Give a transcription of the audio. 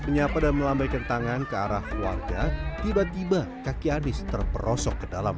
menyapa dan melambaikan tangan ke arah warga tiba tiba kaki anies terperosok ke dalam